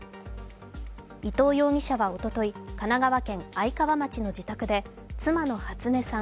伊藤容疑者はおととい、神奈川県愛川町の自宅で妻の初音さん